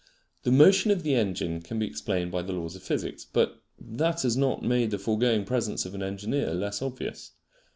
The motion of the engine can be explained by the laws of physics, but that has not made the foregoing presence of an engineer less obvious.